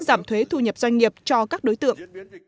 giảm thuế thu nhập doanh nghiệp cho các đối tượng